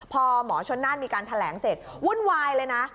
พอหมอชนน่านมีการแถลงเสร็จวุ่นวายเลยนะ